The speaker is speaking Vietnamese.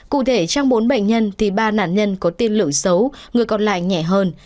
cụ thể trong bốn bệnh nhân thì ba nạn nhân có tiên lượng xấu người còn lại nhẹ hơn